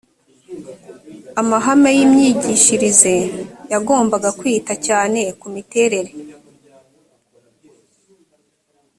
amahame y imyigishirize yagombaga kwita cyane ku miterere